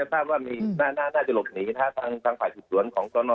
แทนว่ามีน่าจะหลบหนีนะฮะสถานกรณ์ศึกษ์ส่วนของจรรย์